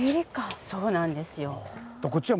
そうなんですよ。